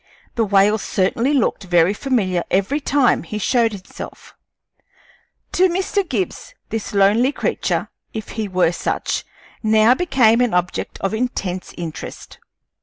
The whale certainly looked very familiar every time he showed himself. To Mr. Gibbs this lonely creature, if he were such, now became an object of intense interest.